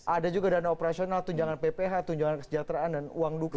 ada juga dana operasional tunjangan pph tunjangan kesejahteraan dan uang duka